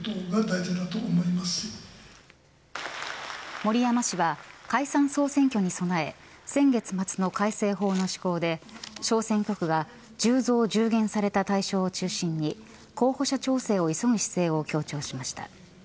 森山氏は解散総選挙に備え先月末の改正法の施行で小選挙区が１０増１０減された対象を中心に候補者調整を急ぐ姿勢を強調しました。